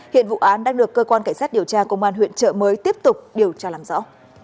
hiện vụ án đang được cơ quan cảnh sát điều tra công an huyện trợ mới tiếp tục điều tra làm rõ